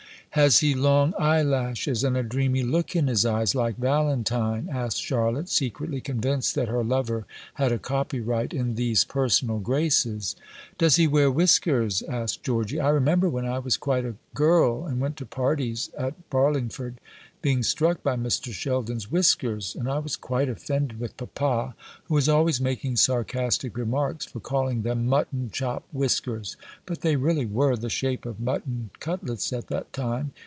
"Has he long eyelashes, and a dreamy look in his eyes, like Valentine?" asked Charlotte, secretly convinced that her lover had a copyright in these personal graces. "Does he wear whiskers?" asked Georgy. "I remember, when I was quite a girl, and went to parties at Barlingford, being struck by Mr. Sheldon's whiskers. And I was quite offended with papa, who was always making sarcastic remarks, for calling them mutton chop whiskers; but they really were the shape of mutton cutlets at that time.